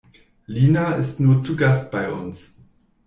Lina ist nur zu Gast bei uns.